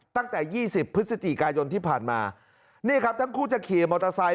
ตั้งแต่ยี่สิบพฤศจิกายนที่ผ่านมานี่ครับทั้งคู่จะขี่มอเตอร์ไซค